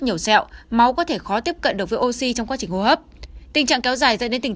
nhiều sẹo máu có thể khó tiếp cận được với oxy trong quá trình hô hấp tình trạng kéo dài dẫn đến tình